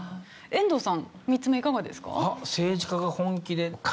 遠藤さん３つ目いかがですか？